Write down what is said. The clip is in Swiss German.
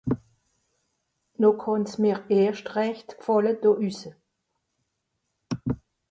No kànn's mìr erscht rächt gfàlle do hüsse